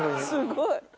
すごい。